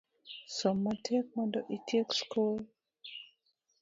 Som matek mondo itiek sikul